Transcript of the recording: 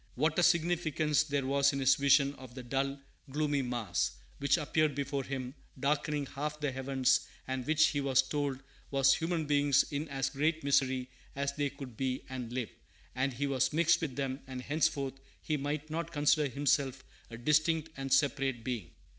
What a significance there was in his vision of the "dull, gloomy mass" which appeared before him, darkening half the heavens, and which he was told was "human beings in as great misery as they could be and live; and he was mixed with them, and henceforth he might not consider himself a distinct and separate being"!